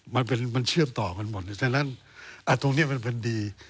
มันเชื่อมต่อกันหมดฉะนั้นอาจตรงนี้มันดี